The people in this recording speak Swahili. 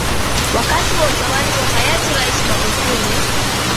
wakati wa utawala wa hayati raisi Magufuli